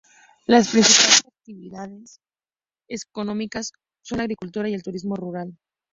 Las principales actividades económicas son la agricultura y el turismo rural.